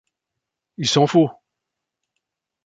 Il s’en faut.